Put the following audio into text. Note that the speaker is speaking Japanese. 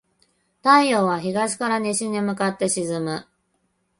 太陽は東から西に向かって沈む。